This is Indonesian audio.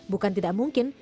bukan tidak mungkin